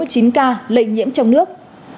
một trăm bốn mươi chín ca lệ nhiễm trong nước